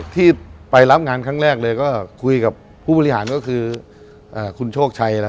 ที่ไปรับงานครั้งแรกเลยก็คุยกับผู้บริหารก็คือคุณโชคชัย